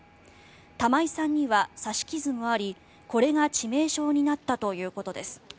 玉井さんには刺し傷もありこれが致命傷になったということです。